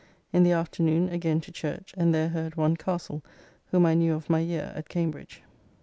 In the afternoon again to church, and there heard one Castle, whom I knew of my year at Cambridge.